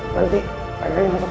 jangan tidur di tenda dulu ya